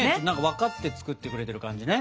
分かって作ってくれてる感じね。